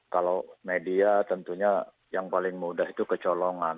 kalau media tentunya yang paling mudah itu kecolongan